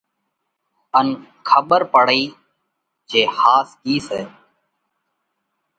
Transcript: ان کٻر پاڙئي جي ۿاس ڪِي سئہ؟